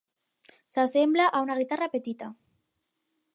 S'assembla a una guitarra petita.